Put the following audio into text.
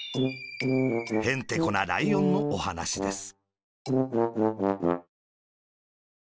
へんてこなライオンのおはなしです。